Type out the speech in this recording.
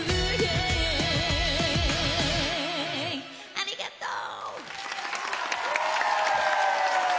ありがとう！